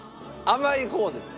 甘い方です。